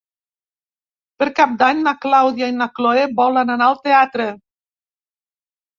Per Cap d'Any na Clàudia i na Cloè volen anar al teatre.